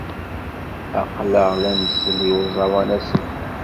Aql-aɣ la nsell i uẓawan aselti.